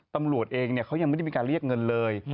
ตำรวจเองเขายังไม่ได้มีการเรียกเงินเลย